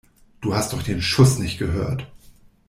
Du hast doch den Schuss nicht gehört!